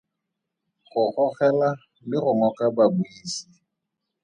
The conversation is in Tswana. Go gogela le go ngoka babuisi.